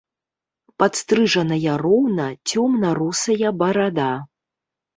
Падстрыжаная роўна цёмна-русая барада.